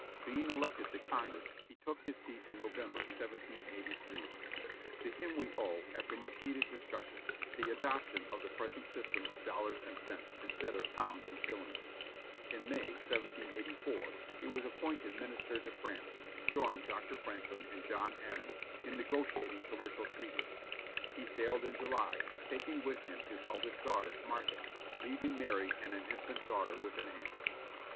Being elected to Congress, he took his seat in November, 1783. To him we owe, after much heated discussion, the adoption of the present system of dollars and cents, instead of pounds and shillings. In May, 1784, he was appointed minister to France, to join Dr. Franklin and John Adams in negotiating commercial treaties. He sailed in July, taking with him his eldest child, Martha, leaving Mary and an infant daughter with an aunt.